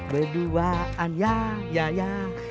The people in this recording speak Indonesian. berduaan ya ya ya